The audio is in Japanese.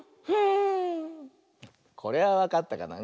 これはわかったかな？